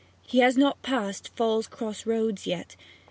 He has not passed Falls cross roads yet.